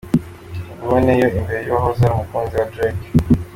Nguwo Ne-Yo imbere y'uwahoze ari umukunzi wa Drake.